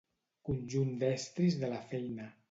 Conjunt d'estris de la feina.